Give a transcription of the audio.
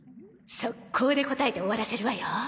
速攻で答えて終わらせるわよ！